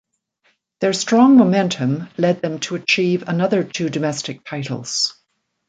Their strong momentum led them to achieve another two domestic titles.